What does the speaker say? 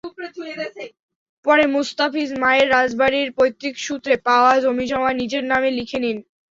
পরে মুস্তাফিজ মায়ের রাজবাড়ীর পৈতৃকসূত্রে পাওয়া জমিজমা নিজের নামে লিখে নেন।